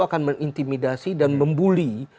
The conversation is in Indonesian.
akan mengintimidasi dan membuli